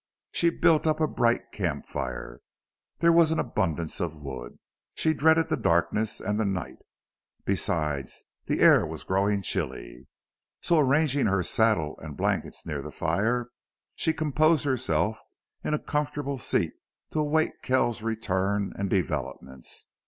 She built up a bright camp fire. There was an abundance of wood. She dreaded the darkness and the night. Besides, the air was growing chilly. So, arranging her saddle and blankets near the fire, she composed herself in a comfortable seat to await Kells's return and developments.